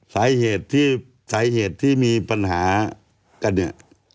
สาเหตุที่มีปัญหาก่อนเนี่ย